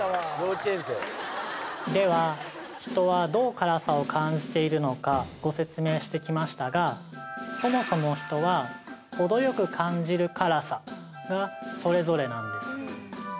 では人はどう辛さを感じているのかご説明してきましたがそもそも人はほどよく感じる辛さがそれぞれなんです